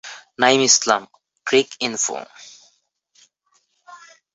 Naim Islam- Cricinfo